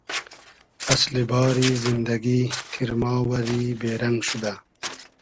فئسلی باری زیندئگی تیرما وئری بې رئنگ شودۂ